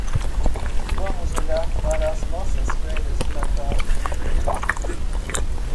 Vamos olhar para as nossas férias de Natal em breve.